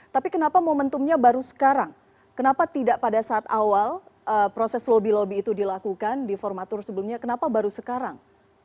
tapi kenapa momentumnya baru sekarang kenapa tidak pada saat awal proses lobby lobby itu dilakukan di formatur sebelumnya kenapa baru sekarang